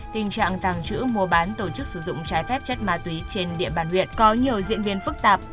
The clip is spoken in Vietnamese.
tình trạng tàng trữ mua bán tổ chức sử dụng trái phép chất ma túy trên địa bàn huyện có nhiều diễn biến phức tạp